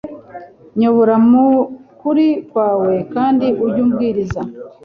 nyobora mu kuri kwawe kandi ujye umbwiriza